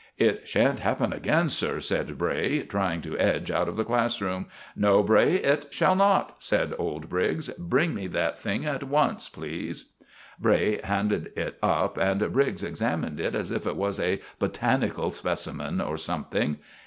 "It sha'n't happen again, sir," said Bray, trying to edge out of the class room. "No, Bray, it shall not," said old Briggs. "Bring me that thing at once, please." Bray handed it up, and Briggs examined it as if it was a botanical specimen or something.